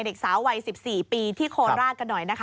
เด็กสาววัย๑๔ปีที่โคราชกันหน่อยนะคะ